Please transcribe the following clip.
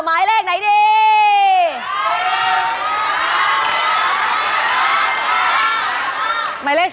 ไม้เลข๓ค่ะไม้เลข๓ค่ะ